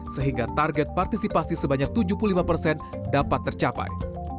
sehingga target partisipasi sebanyak tujuh puluh lima persen dapat tercapai